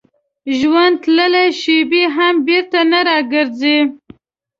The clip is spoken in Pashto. ژوند تللې شېبې هم بېرته نه راګرځي.